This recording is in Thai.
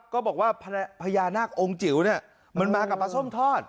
ก็บอกว่าพญานาคองค์จิ๋วเนี่ยมันมากับปลาส้มทอด